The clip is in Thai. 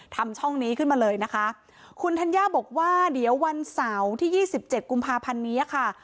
ทำช่องนี้ขึ้นมาเลยนะคะคุณธัญญาบอกว่าเดี๋ยววันเสาร์ที่ยี่สิบเจ็ดกุมภาพันธ์นี้ค่ะ